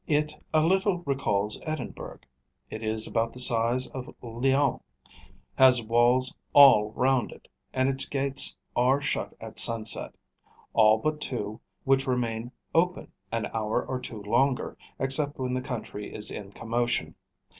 It a little recalls Edinburgh; it is about the size of Lyons; has walls all round it; and its gates are shut at sunset, all but two, which remain open an hour or two longer, except when the country is in commotion.